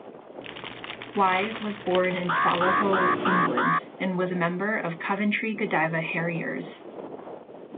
Wise was born in Solihull, England and was a member of Coventry Godiva Harriers.